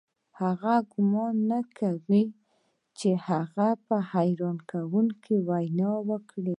خو ګومان يې نه کاوه چې هغه به حيرانوونکې وينا وکړي.